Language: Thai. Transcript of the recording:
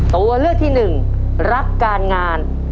ตัวเลือกที่๑รักการงาน